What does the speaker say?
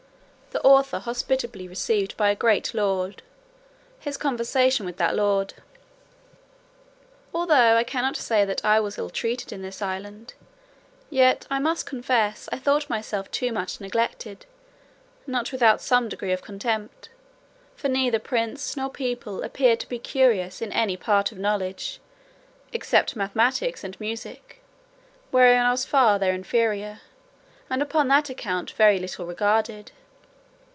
The author hospitably received by a great lord. His conversation with that lord. Although I cannot say that I was ill treated in this island, yet I must confess I thought myself too much neglected, not without some degree of contempt; for neither prince nor people appeared to be curious in any part of knowledge, except mathematics and music, wherein I was far their inferior, and upon that account very little regarded.